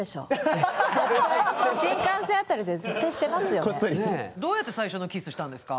新幹線あたりで絶対してますよね。